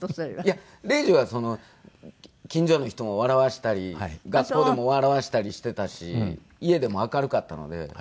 いや礼二は近所の人も笑わせたり学校でも笑わせたりしてたし家でも明るかったので。